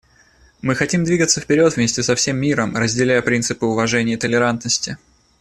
Мы хотим двигаться вперед вместе со всем миром, разделяя принципы уважения и толерантности.